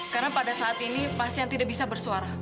karena pada saat ini pasien tidak bisa bersuara